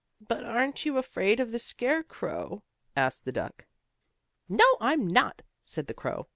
"But aren't you afraid of the scarecrow?" asked the duck. "No; I'm not," said the crow.